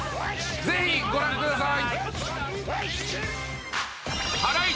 ぜひご覧ください。